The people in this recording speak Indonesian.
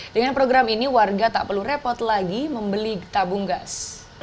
dengan program ini warga tak perlu repot lagi membeli tabung gas